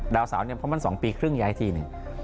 ดาวเสานะครับเพราะมัน๒ปีครึ่งย้ายทีหนึ่ง